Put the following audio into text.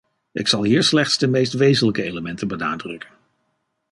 Ik zal hier slechts de meest wezenlijke elementen benadrukken.